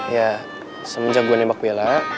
ya semenjak gue nembak piala